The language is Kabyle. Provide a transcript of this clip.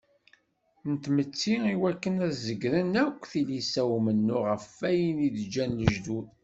N tmetti iwakken ad zegrent akk tilisa n umennuɣ ɣef wayen i d-ǧǧan lejdud.